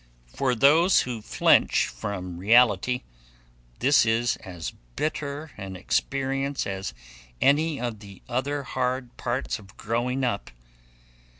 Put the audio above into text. For those who flinch from reality, this is as bitter an experience as any of the other hard parts of growing up.